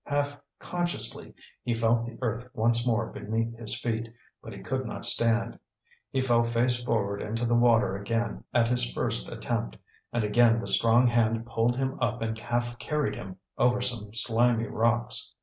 Half consciously he felt the earth once more beneath his feet, but he could not stand. He fell face forward into the water again at his first attempt; and again the strong hand pulled him up and half carried him over some slimy rocks.